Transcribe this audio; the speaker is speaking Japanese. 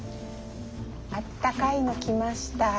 あったかいの来ました。